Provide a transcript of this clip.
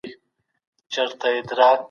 حکومت کلتوري تبادله نه دروي.